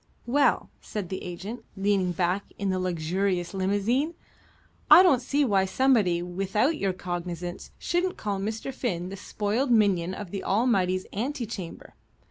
"Well," said the agent, leaning back in the luxurious limousine, "I don't see why somebody, without your cognizance, shouldn't call Mr. Finn the spoiled minion of the Almighty's ante chamber.